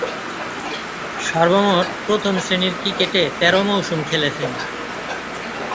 সর্বমোট প্রথম-শ্রেণীর ক্রিকেটে তেরো মৌসুম খেলেছেন।